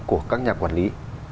của các nhà quản lý